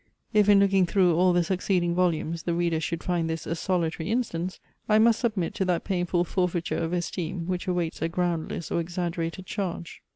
If in looking through all the succeeding volumes the reader should find this a solitary instance, I must submit to that painful forfeiture of esteem, which awaits a groundless or exaggerated charge.